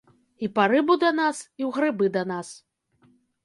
І па рыбу да нас, і ў грыбы да нас.